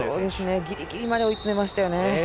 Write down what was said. ぎりぎりまで追い詰めましたよね。